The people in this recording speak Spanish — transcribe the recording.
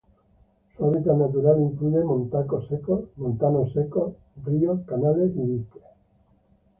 Su hábitat natural incluye montanos secos, ríos, canales y diques.